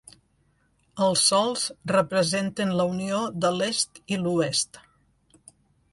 Els sols representen la unió de l'Est i l'Oest.